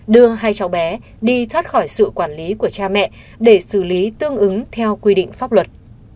đưa hai cháu bé đi thoát khỏi sự quản lý của cha mẹ để xử lý tương ứng theo quy định pháp luật